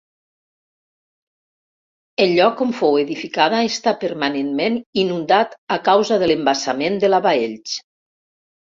El lloc on fou edificada, està permanentment inundat a causa de l'embassament de la Baells.